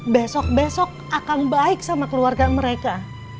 besok besok akan baik sama keluarga mereka